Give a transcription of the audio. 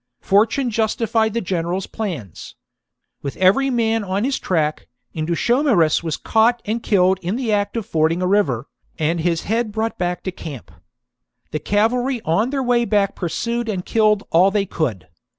Fortune justified the general's plans. With every man on his track, Indutiomarus was caught and killed in the act of fording a river, and his head brought back to camp. The cavalry on their way back pursued and killed all they could.